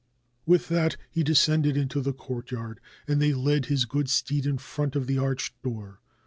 With that he descended into the courtyard, and they led his good steed in front of the arched door.